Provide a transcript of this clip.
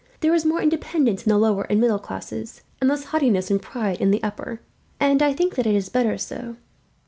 There is more independence in the lower and middle classes, and less haughtiness and pride in the upper, and I think that it is better so."